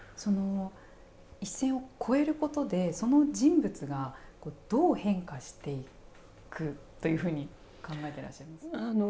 一線を超えることでその人物がどう変化していくというふうに考えてらっしゃいますか。